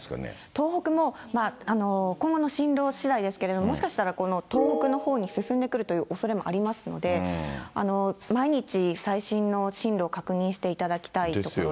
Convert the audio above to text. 東北も今後の進路しだいですけれども、もしかしたらこの東北のほうに進んでくるというおそれもありますので、毎日最新の進路を確認していただきたいところです。